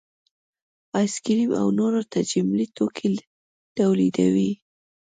ایس کریم او نور تجملي توکي تولیدوي